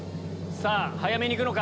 早めに行くのか？